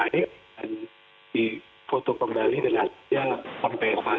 dan dipotong kembali dengan sempit